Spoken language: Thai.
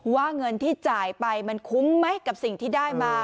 เงินที่จ่ายไปมันคุ้มไหมกับสิ่งที่ได้มา